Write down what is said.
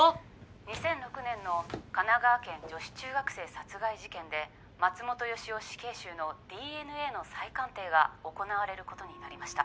２００６年の神奈川県女子中学生殺害事件で松本良夫死刑囚のＤＮＡの再鑑定が行なわれることになりました。